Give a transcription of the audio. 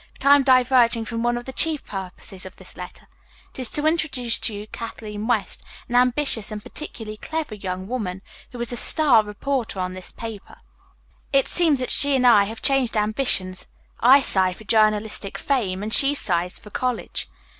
"But, I am diverging from one of the chief purposes of this letter. It is to introduce to you Kathleen West, an ambitious and particularly clever young woman, who is a 'star' reporter on this paper. It seems that she and I have changed ambitions. I sigh for journalistic fame, and she sighs for college.